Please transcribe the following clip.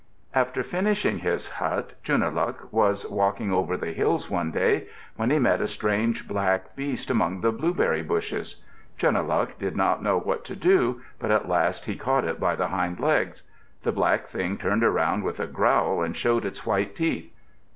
After finishing his hut, Chunuhluk was walking over the hills one day when he met a strange black beast among the blueberry bushes. Chunuhluk did not know what to do, but at last he caught it by the hind legs. The black thing turned around with a growl and showed its white teeth.